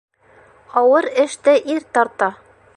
Ауыр эште ир тарта.